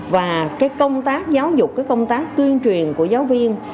và cái công tác giáo dục cái công tác tuyên truyền của giáo viên